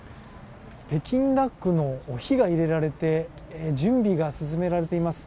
北京ダックに火が入れられて準備が進められています。